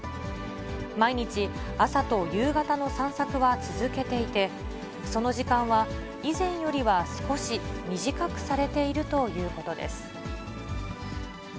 毎日、朝と夕方の散策は続けていて、その時間は以前よりは少し短くされているということです。